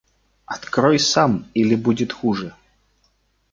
– Открой сам, или будет хуже!